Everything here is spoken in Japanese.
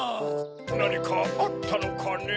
なにかあったのかねぇ？